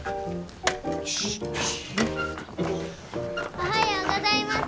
おはようございます。